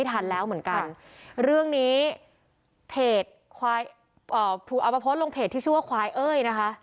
ถูกเอามาโพสต์ลงเพจชื่อควายเอ่ยนะค่ะ